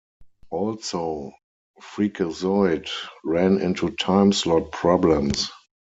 Also, "Freakazoid" ran into timeslot problems.